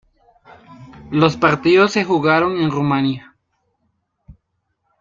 Los partidos se jugaron en Rumania.